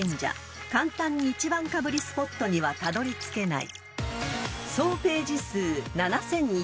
［簡単に１番かぶりスポットにはたどりつけない］